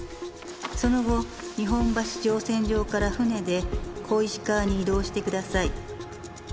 「その後日本橋乗船場から船で小石川に移動して下さい」